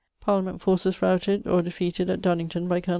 Parliament forces routed or defeated at Dunnington by col.